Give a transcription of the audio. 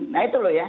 nah itu loh ya